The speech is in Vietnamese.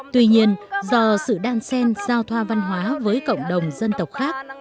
tuy nhiên do sự đan sen giao thoa văn hóa với cộng đồng dân tộc khác